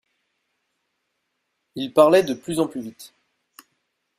Ils parlaient de plus en plus vite.